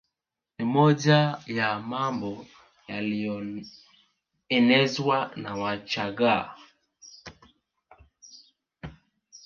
Ni moja ya mambo yaliyoenezwa na Wachagga